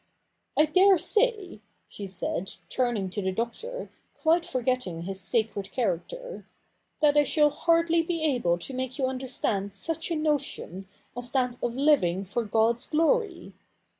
I dare say, she said, turning to the Doctor, quite forgetting his sacred character, ' that I shall hardly be able to make you understand such a notion as that of living for God's glory.